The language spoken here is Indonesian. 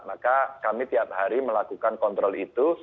maka kami tiap hari melakukan kontrol itu